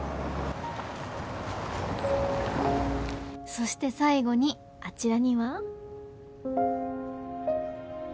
そして最後にあちらには。